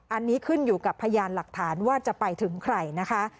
อันนี้ขึ้นอยู่กับพยานหลักฐานว่าจะไปถึงใครนะคะ